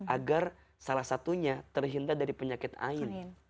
agar salah satunya terhindar dari penyakit lain